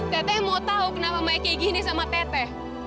tete mau tau kenapa main kaya gini sama tete